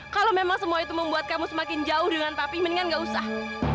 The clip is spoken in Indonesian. kalau memang semua itu membuat kamu semakin jauh dengan tapi mendingan gak usah